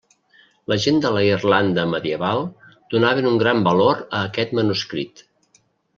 La gent de la Irlanda medieval donaven un gran valor a aquest manuscrit.